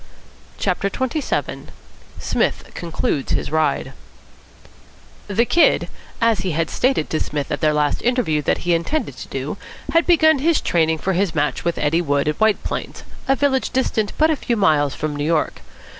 CHAPTER XXVII PSMITH CONCLUDES HIS RIDE The Kid, as he had stated to Psmith at their last interview that he intended to do, had begun his training for his match with Eddie Wood, at White Plains, a village distant but a few miles from New York.